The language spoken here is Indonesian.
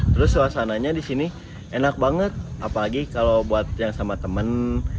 terus suasananya di sini enak banget apalagi kalau buat yang sama temen